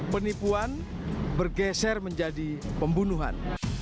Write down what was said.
penipuan bergeser menjadi pembunuhan